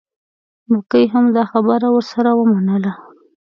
مکۍ هم دا خبره ورسره ومنله.